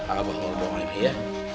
abah ngurus doa ini ya